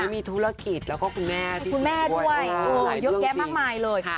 มีธุรกิจแล้วก็คุณแม่คุณแม่ด้วยเยอะแยะมากมายเลย